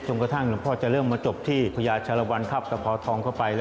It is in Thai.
จรงกระทั่งลุงพ่อจะเริ่มเหมาะจบที่พระยาชาวราวรรณคับกับพอทรองเข้าไป